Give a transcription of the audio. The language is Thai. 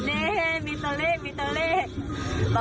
นี่มีตัวเลขมีตัวเลข